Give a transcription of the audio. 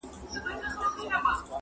چي پر ټولو پاچهي کوي یو خدای دئ-